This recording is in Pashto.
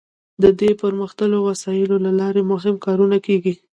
د دې پرمختللو وسایلو له لارې مهم کارونه کیږي.